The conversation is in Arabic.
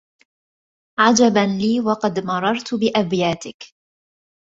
عجبا لي وقد مررت بأبياتك